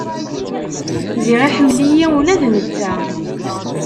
Ziɣ iḥemmel-iyi ula d netta.